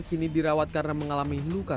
kini dirawat karena mengalami luka